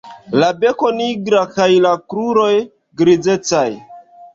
La beko nigra kaj la kruroj grizecaj.